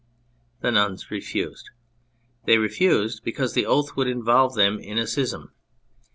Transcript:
The nuns refused ; they refused because the oath would involve them in schism.